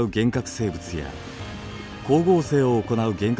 生物や光合成を行う原核